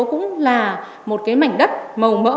cũng là một mảnh đất màu mỡ